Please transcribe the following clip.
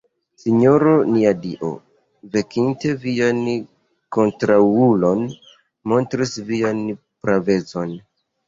Sinjoro nia Dio, venkinte vian kontraŭulon, montris vian pravecon.